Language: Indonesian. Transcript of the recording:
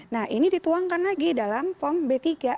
nah ini dituangkan lagi dalam form b tiga